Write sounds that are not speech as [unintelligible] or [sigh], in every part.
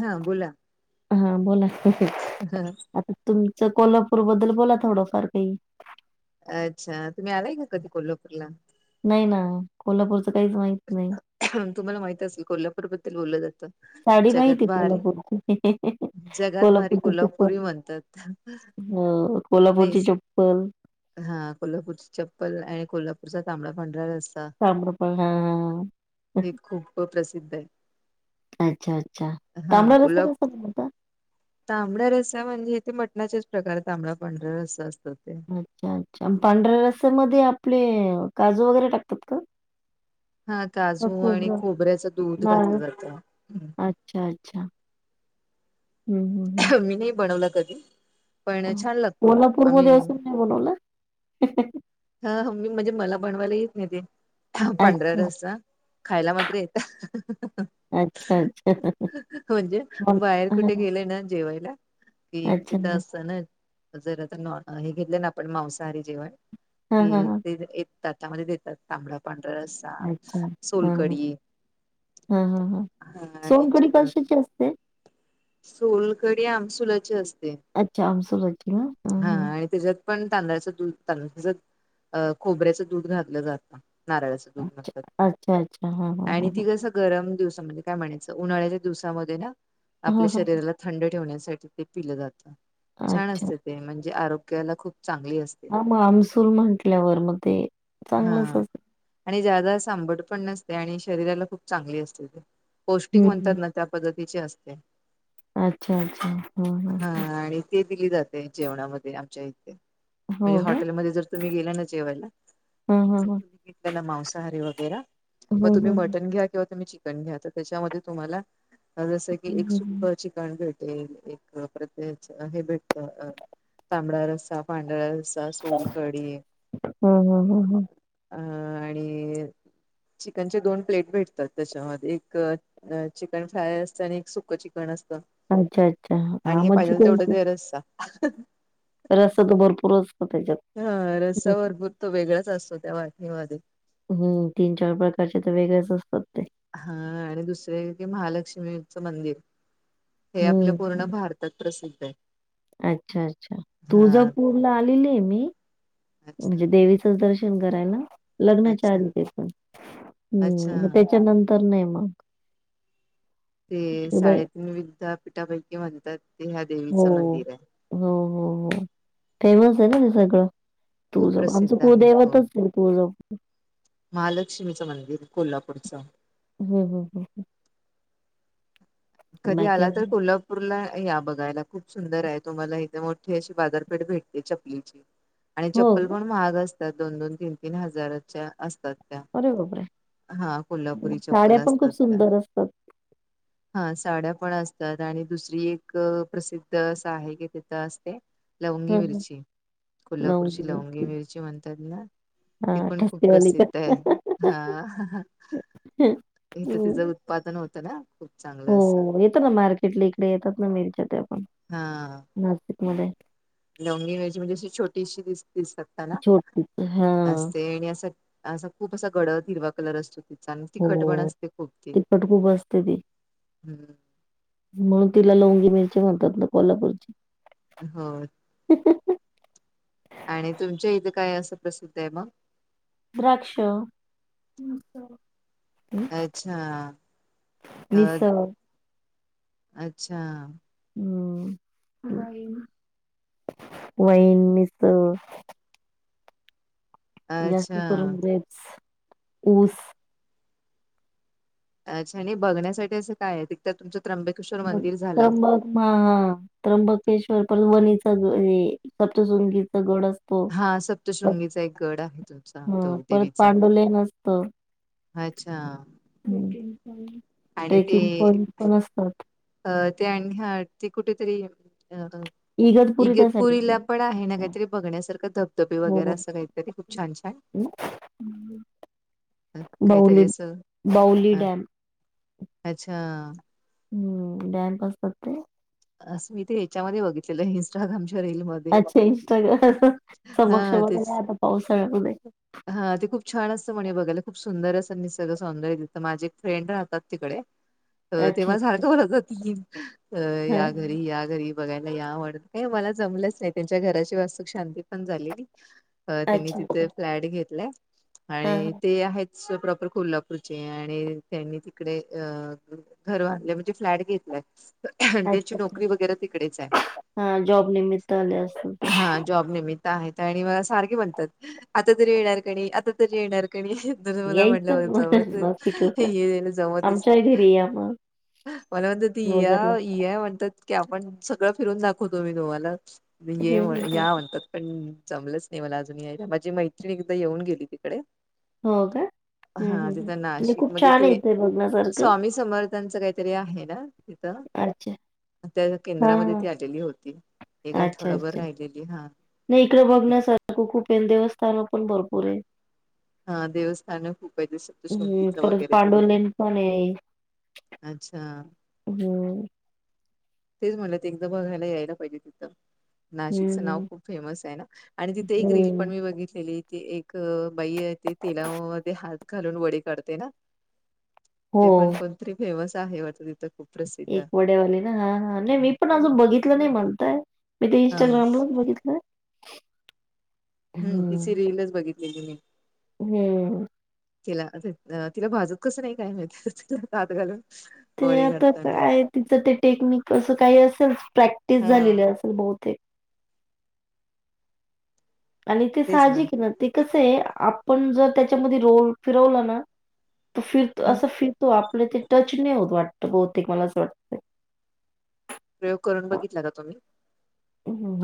हा बोला. हा बोलास तस हम्. आता तुमचं कोल्हापूर बद्दल बोला थोडंफार काही. अच्छा तुम्ही आलाय का कधी कोल्हापूरला नाही ना कोल्हापूरच काहीच माहित नाही तुम्हाला माहिती असेल कोल्हापूर बद्दल बोललं जातं साडी जगात माहिती भारी को्हापूरची कोल्हापूरची च ह हम्म कोल्हापूरची चप्पल हा कोल्हापूरची चप्पल आणि कोल्हापूरचा तांबडा पांढरा रस्सा. सांम्रपल हा हा. हे खूप प्रसिद्ध आहे. अच्छा अच्छा तांबड रसा कसा बनत. तांबड्या रसा म्हणजे इथे मटणाचेच प्रकार तांबड्या पांढरा्या रसा असतात ते अच्छा अच्छा पांढऱ्या रसामध्ये आपले काजू वगैरे टाकतात का? हा का काजू आणि खोबरं, खोबऱ्याचं दूध नारळ? घातलं जातं. अच्छा. अच्छा हम्म हम्म हम्. ी नाही बनवलं कधी पण छान लागतो आम्ही बोणवल. हा म्हणजे मला बनवायला येत नाही ते पांढरा अच्छा, रस्सा खायला मात्र येत. अच्छा अच्छा. म्हणजे बाहेर मला- कुठे गेलं ना जेवायला कि अच्छा. तिथं असत ना जर आता न हे घेतले ना आपण मांसाहारी जेवण. हां, हां, कि हां. तेेत दातामध्ये देतात तांबडा पांढरा रस्सा सोलकडी हा हा हा आणि सोनकडी चिकन कशाची असते. सोलकडी आमसुलाची असते. अच्छा आमस बकी ना हा आणि त्याच्यात पण तांदळाच दूध तांदळा अ खोबऱ्याचं दूध घातलं जातं नारळाचं दूध हां. म्हगतात ते अच्छा, अच्छा. हां, हां, आणि हां, ती हां. कस गरम दिवसा म्हणजे काय म्हणायचं उन्हाळ्याच्या दिवसामध्ये ना आपल्या हां, हां. शरीराला थंड ठेवण्यासाठी ते पिलं जातं छान अच्छा. असत ते म्हणजे आरोग्याला खूप चांगलं असते. हां, मग आमसूल म्हटल्यावर मग ते हा चांगलंच असतं. आणि ज्यादा सांबड पण नसते आणि शरीराला खूप चांगली असते ते पौष्टिक हं, म्हणतात हं. ना त्या पद्धतीचे असते. अच्छा अच्छा ह हा ह. आणि ते दिली जाते जेवणामध्ये आमच्या इथे म्हणजे हो का? हॉटेलमध्ये जर. तुम्ही गेला ना जेवायला हां, हां, आणि हां. तुम्ही घेतले ना मांसाहारी वगैरे हं, मग हं, तुम्ही हं. मटन घ्या किंवा तुम्ही चिकन घ्या तर त्याच्यामध्ये तुम्हाला जसं की हं, एक हं, सुक हं. चिकण घट एक प्रत्येक हे भेटतं तांबडा रस्सा पांढरा रस् दा सोन हम् हम् हम् हम्. अ.. आणि चिकनचे दोन प्लेट भेटतात त्याच्यामध्ये. एक अ चिकन फ्राय असतं आणि एक सुकं चिकन असतं. अच्छा, अच्छा. आणि हां, हे मग पाहिजेल तेवढं चिकनचा घे रस्सा. रस्सा तो भरपूर असतो त्याच्यात. हा रस्ता भरपूर तो वेगळाच असतो त्या वाटणी मध्ये हम्म. तीन चार प्रकारचे त वेगळेच असतात ते. हा.. आणि दुसरे एके महालक्ष्मीच मंदिर. हे आपलं हं. पूर्ण भारत त प्रसिद्ध ए अच्छा अच्छा. तुळजापूरला आलेली ए मी. अच्छा म्हणजे देवी च दर्शन करायला, लग्नाच्या अच्छा आधी ते पण. ह.. अच्छा त्याच्यानं तर नाई मग. ते साडेतीन विद्या पिठापैकी म्हणतात ते ह्या हो. देवीचं मंदिर ए. हो हो हो फेमस आहे ना ते सगळं खूप तुळजाभवानी आमचं प्रसिद्ध आहे हो. कुळदैवतच आहे तुळजापूर महालक्ष्मीचं मंदिर, कोल्हापूरचं. हम ह कधी बाकी आला तर अजून कोल्हा पुन्हा या बघायला खूप सुंदर आहे तुम्हाला इथे मोठी अशी बाजारपेठ भेटते चपलीची आणि हो चप्पल का? पण महाग असतात, दोन दोन तीन तीन हजाराच्या असतात. अरे बापरे! हा, कोल्हापुरी साड्या चप्पल पण असतात खूप का? सुंदर असतात. हा साड्या पण असतात आणि दुसरी एक प्रसिद्ध असं आहे की तिथं असते लवंगी हं, हं. मिरची, कोल्हापूरची लवंगी मिरची म्हणतात ना. ति हां, पण खूप ठसकेवाली का? प्रसिद्ध आहे. हा हं. इथं तिचा उत्पादन होतं ना. चांगलं असं हो येतं ना मार्केटला इकडे येतात ना मिरच्या त्या पण नाशिक मध्ये लोंगी मिरची म्हणजे अशी छोटीशी दिस - दिसतात का ना? छोटी हां. असते आणि असं असा खूप असा गडद हिरवा कलर असतो. अन् तिखटपण हो. असते खूप ती. तिखट खूप असते हम्म. मणून तिला लवंगी मिरची म्हणतात ना कोल्हापूरची. हा. ह ह ह.. आणि तुमच्या इथे काय असं प्रसिद्ध आहे मग? द्राक्ष हम् अच्छा अ मिस अच्छा. हम्. वाईन मीस जास्त अच्छा करून ग्रेप्स ऊस अच्छा आणि बघण्यासाठी असं काय ए तर तुमच्या त्र्यब त्र्यबक म हा. त्र्यंबकेश्वर पर वणीचा गडे सप्चसुंगीचा गड अस हा सप्तशृंगीचा एक गड आहे तुमचा हां. तो परत देवीचा. पांडवलेन असतं. अच्छा. आणि ते ट्रेकिंग पॉइंट पण असतात. अ ते आण ह ती कुठेतरी अ इगतपुरी त्या साईडला. इगतपुरीला पण आहे ना हां. काहीतरी बघण्यासारखं धबधबे वगरे हो. असं काहीतरी खूप छान छान. अ, बाऊली, काहीतरी असं बाऊली अ, डॅम. अच्छा. हम्म. डामपास करते. अस मी ते याच्यामध्ये बघितलेलं, इन्स्टाग्रामच्या रीलमध अच्छा इंस्टाग्राम. समक्ष हा बघायला तेच या आता पावसाळ्यामधे. हा ते खूप छान असतं म्हणे बघायला. खूप सुंदर असें ते निसग सौंदर्य दे माझे एक फ्रेंड राहतात तिकडे. अ अच्छा तेव्हा झारखवलं जातील हा या घरी या घरी बघायला या आवडत का मला जमलंच नाई. त्यांच्या घराची वास्तूक शांती पण झालेली. [unintelligible] अ.. त्यांनी अच्छा तिथे फ्लॅट घेतलाय हा आणि हा ते आहेत स प्रॉपर कोल्हापूरचे आणि त्यांनी तिकडे अ घर बांधले म्हणजे फ्लॅट घेतलाय. त्याची अच्छा अच्छा नोकरी वगरा तिकडेच आय. हा जॉब निमित्त आले असतील हा जॉब निमित आहेत आणि मला सारखे म्हणतात. आता तरी येणार कणी, आता तरी येणार कणी. ज मला म्हटलं यायचं मग जमतच हे नाशिकला येण जमतच आमच्याही नाही. घरी या मग मला म्हणतात इया ओझरला इया म्हणतात की आपण सगळं फिरून दाखवतो मी तुम्हाला ये हम्म हम्म हम्म या म्हणतात. पण जमलंच नाही मला अजून यायला माझी मैत्रिण एकदा येऊन गेली तिकडे. हो का हम्म हम्म हा हम्म तिथं नाही नाशिक खूप मध्ये छान आहे ते इथे बघण्यासारखं स्वामी समर्थांचं काहीतरी आहे ना तिथं? अच्छा! त्या हा केंद्रामध्ये हा ती आलेली होती. एक अच्छा आठवडाभर अच्छा राहिलेली हा नाही इकडे तिकडे. बघण्यासारखं खूप कुपेन देवस्थान पण भरपूर आहे. हा देवस्थान खूप आहे तस हम्म शंगीचा परत वगैरे फिरून. पांडवलेन पण आहे अच्छा! हो. तेच म्हटलं ते एकदा बघायला यायला पाहिजे तिथं. नाशिकचं नाव हं, खूप फेमस आहे ना? आणि तिथे एक रील पण हं. मी बघितलेलीे एक एक बाई ते तेलामध्ये हात घालून वडे काढते ना? ते पण हो. कोणतरी फेमस आहे वाटत तिथं खूप. प्रसिद्ध एक वड्यावाली ना, हा हा नाही मी पण अजून बघितलं नाही म्हणतायत. मी ते हा इंस्टाग्राम ला बघितलं. हम तीचे रिलच बघितलेली मी. हम्म! तिला अ तिला भाजत कसं नाही काय माहित तिला हात घालून. ते वडे आता काढताना. काय तिचं ते टेक्निक असं काही असेल प्रॅक्टिस हा झालेली असेल बहुतेक. आणि ते साहजिकच आहे ना, ते कसं आहे आपण जर त्याच्यामध्ये रोल फिरवलं ना! त फिरतो हम्म. असं फिरतो आपलं ते टच नाही होत वाटत बहुतेक मला असं वाटत. प्रयोग करून बघितला का तुम्ही.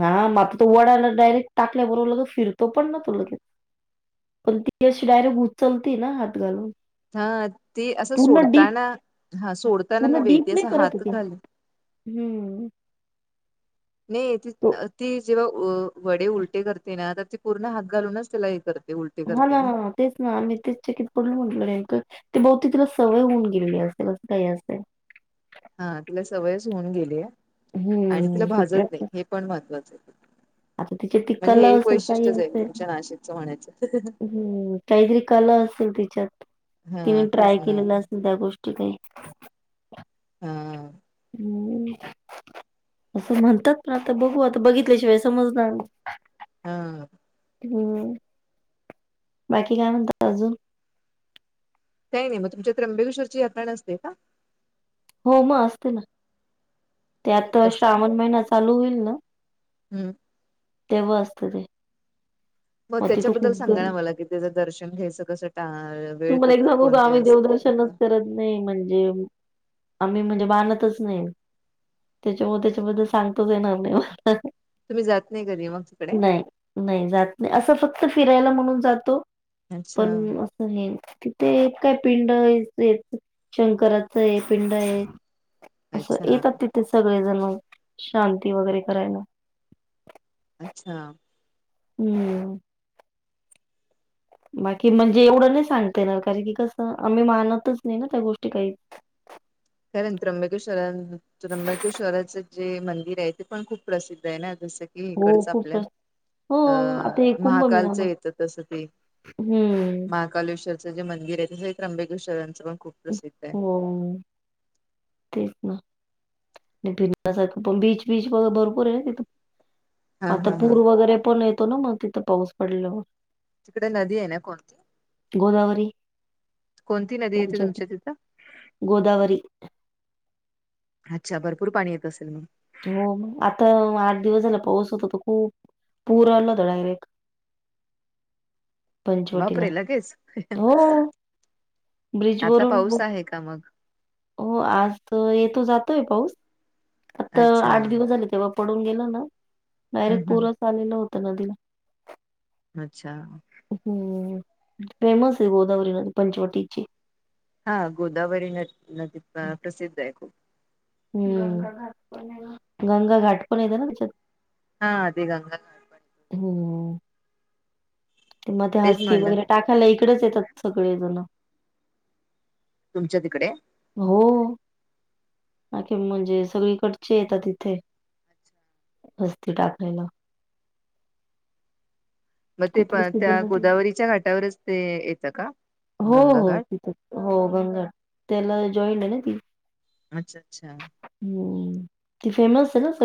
हा म आता तो वडाला डायरेक्ट टाकल्याबरोबर लग फिरतो पण ना तो लगे पण ती अशी डायरेक्ट उचलते ना हात घालून. हा ते असं पूर्ण डीप सोडताना हा सोडताना पूर्ण नव्हे. डीप ते नाही असं करत हात होती. घाल हम्म! नाहीये त तो ती जेव्हा अ वडे उलटे करते ना! तर ते पूर्ण हात घालूनच त्याला हे करते उल ह ना! तेच ना आम्ही तेच चिकित पडल. म्हटलो नाही तर ते बहुती तिला सवय होऊन गेली असेल असं काही असे. हा तिला सवयच होऊन गेली आहे. आणि तिला हम्म ती भाजत नाही प्रॅक्टिस हे. पण महत्त्वाच आहे. आता तिची ती म्हणजे हे कला एक असेल काही वैशिष्ट्यच आहे असेल तुमच्या नाशिकच म्हण्याचं. हम्म! काहीतरी कला असेल तिच्यात. हा तिने तेच ट्राय ना केलेलं असतील त्या गोष्टी काही. हां.. हम्म! असं म्हणतात ना, आता बघू आता बघितल्याशिवाय समजणार ना हा. हम्म! बाकी काय म्हणता अजून? काही नाही मग, तुमच्यात त्र्यंबकेश्वरची यात्रा नसते का? हो मग असते ना, ती त्यात तर कधी असते श्रावण महिना चालू होईल ना. हम्म! तेव्हा असतं ते. मग तिथं त्याच्याबद्दल खूप सांगा गर्दी ना मला कि त्याचं दर्शन घ्यायचं कसं टाळ तूम्हाला एक सांगू का आम्ही देवदर्शनच करत नही म्हणजे, आम्ही म्हणजे बाणतच नाही. त्याच्यामुळे त्याच्याबद्दल सांगताच येणार नाही मला. तुम्ही जात नही कधी मग तिकडे. नही जात नाही, असं फक्त फिरायला म्हणून जातो अच्छा पण आहे तिथे काय पिंड शंकराचं हे पिंड हे. असं अच्छा येतात तिथे सगळेजणं शांती वगैरे करायला. अच्छा! हूं! बाकी म्हणजे एवढं नाही सांगता येणार, कारण की कसं आम्ही मानतच नाही ना त्या गोष्टी काही. खरं न त्र्यबकेश्वरान त्रंबकेश्वराच जे मंदिर आहे ते पण खूप प्रसिद्ध आहे ना, जसं की हो हीकडच आपल्या. खूपच हो अ आता हे कुंभमेळा महाकालच मग येत तस ते हम्म महा कालेश्वरचं जे मंदिर आहे तसे त्रंबकेश्वराच पण खूप प्रसिद हो तेच ना. आणि फिरण्यासारखं पण बीच, वीच व भरपूर आहे तिथ. हा आता हा हा पूर वगैरे पण येतो ना म तिथं पाऊस पडल्यावर. तिकडे नदी आहे ना कोण गोदावरी! कोणती नदी येते आमच्या इथे तुमच्या तिथं? गोदावरी! अच्छा भरपूर पाणी येत असेल मग. हो म आता आठ दिवस झाला पाऊस होतो त खूप पूर आला होता डयरेक्ट. पंचवटीला बापरे लगेच हो. ब्रिज आता वरून, पाऊस आहे का मग हो आज येतो जातोय पाऊस. आत अच्छा आठ दिवस झाले तेव्हा पडून गेला ना डायरेक्ट हम्म हम्म पुरंच आलेलं होतं नदीला. अच्छा! हूं फेमस हे गोदावरी नदी पंचवटीची. हा गोदावरी न नदी प्रसिद्ध आहे खूप. हूं गंगा घाट पण येतं ना त्याच्यात. हा ती गंगा- हो म ते तेच हास्ती म्हणलं वगैरे टाकायला इकडेच येतात सगळे जण. तुमच्या तिकडे? हो आखिन म्हणजे सगळीकडचे येतात तिथे. हस्ती टाकायला. मग ते खूप प प्रसिद्ध त्या नदी आहे. गोदावरीच्या घाटावरच ते येतं का हो गंगा हो घाट? तिथं हो गंगा त्याला जॉईंड आहे ना ती. अच्छा, अच्छा. हूं ती फेमस आहे ना सगळी